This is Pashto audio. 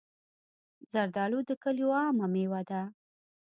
زردالو د کلیو عامه مېوه ده.